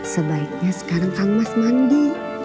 sebaiknya sekarang kang mas mandi